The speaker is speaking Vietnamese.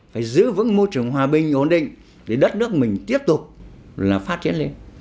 phải giữ vững môi trường hòa bình ổn định để đất nước mình tiếp tục là phát triển lên